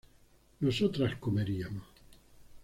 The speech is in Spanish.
nosotras comeríamos